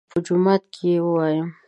_په جومات کې يې وايم.